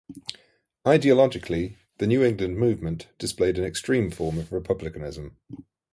Ideologically, the New England movement displayed an extreme form of republicanism.